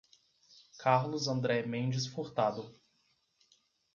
Carlos André Mendes Furtado